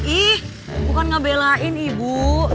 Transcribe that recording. ih gue kan gak belain ibu